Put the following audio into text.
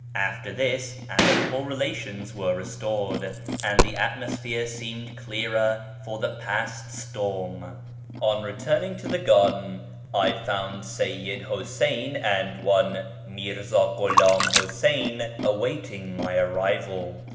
After this, amicable relations were restored, and the atmosphere seemed clearer for the past storm. On returning to the garden I found Seyyid Iluseyn and one Mi'rza Ghulam Huseyn awaiting my arrival.